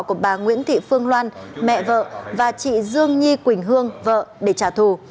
của bà nguyễn thị phương loan mẹ vợ và chị dương nhi quỳnh hương vợ để trả thù